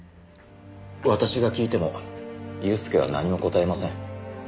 私が聞いても祐介は何も答えません。